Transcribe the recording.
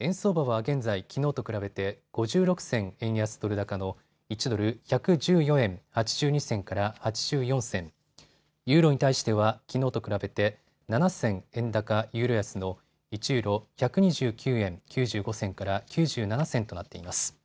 円相場は現在きのうと比べて５６銭円安ドル高の１ドル１１４円８２銭から８４銭、ユーロに対してはきのうと比べて７銭円高ユーロ安の１ユーロ、１２９円９５銭から９７銭となっています。